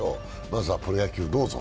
まずはプロ野球。